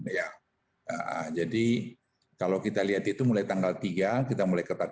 nah jadi kalau kita lihat itu mulai tanggal tiga kita mulai ketat